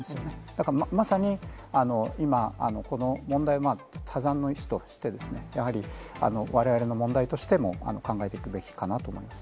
だからまさに今、この問題を他山の石としてですね、やはりわれわれの問題としても考えていくべきかなと思います。